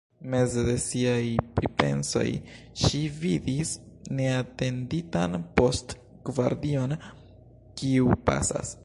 Meze de siaj pripensoj, ŝi vidis neatenditan post-gvardion, kiu pasas.